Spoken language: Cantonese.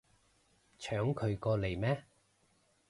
搶佢過嚟咩